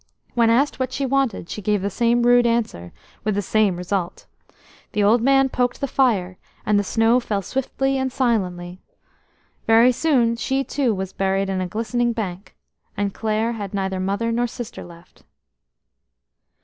When asked what she wanted, she gave the same rude answer, with the same result. The old man poked the fire, and the snow fell swiftly and silently. Very soon she too was buried in a glistening bank, and Clare had neither mother nor sister left.